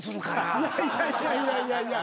いやいやいやいやいや。